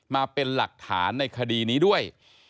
มาเป็นหลักฐานในคดีนี้ด้วย